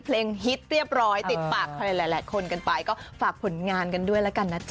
ร้องได้ทุกคนอยากเป็นป้าแตนท์อยากเป็นป้าแตนท์